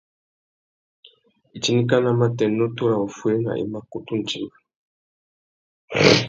Itindikana matê, nutu râ wuffuéna i mà kutu timba.